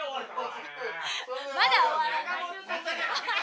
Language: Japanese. まだ終わらない。